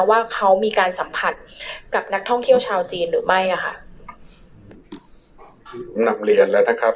ว่าเขามีการสัมผัสกับนักท่องเที่ยวชาวจีนหรือไม่อ่ะค่ะคือผมนำเรียนแล้วนะครับ